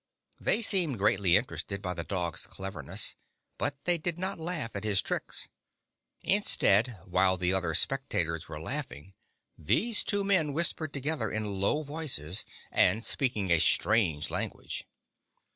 They seemed greatly interested by the dog's cleverness, but they did not laugh at his tricks. Instead, while the other spectators were laughing, these two men whis pered together in low voices, and speaking a strange language.